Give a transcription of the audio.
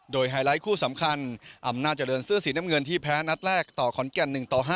โดยไฮไลท์คู่สำคัญอำนาจเจริญเสื้อสีน้ำเงินที่แพ้นัดแรกต่อขอนแก่น๑ต่อ๕